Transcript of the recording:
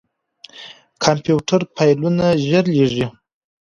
کمپيوټر فايلونه ژر لېږي.